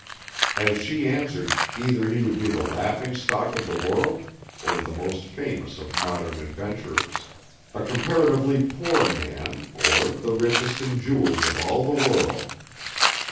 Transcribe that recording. As she answered, either he would be the laughing stock of the world, or the most famous of modern adventurers; a comparatively poor man, or the richest in jewels of all the world.